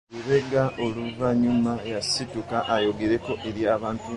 Lubega oluvannyuma yasituka ayogereko eri abantu.